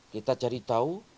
kita cari tahu